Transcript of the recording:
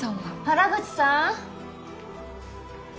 原口さん。